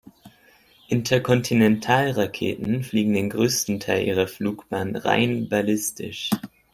Interkontinentalraketen fliegen den größten Teil ihrer Flugbahn rein ballistisch.